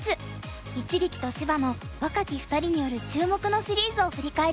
一力と芝野若き２人による注目のシリーズを振り返ります。